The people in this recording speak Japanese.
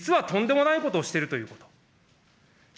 実はとんでもないことをしているということ。